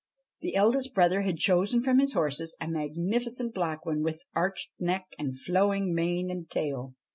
The eldest brother had chosen from his horses a magnificent black one with arched neck and flowing mane and tail.